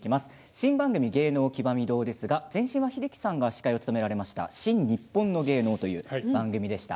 新番組の「芸能きわみ堂」ですが前身は英樹さんが司会を務めた「新・にっぽんの芸能」という番組でした。